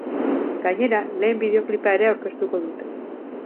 Gainera, lehen bideoklipa ere aurkeztuko dute.